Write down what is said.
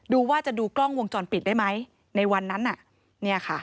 ดูว่าจะดูกล้องวงจรปิดได้ไหมในวันนั้นน่ะเนี่ยค่ะ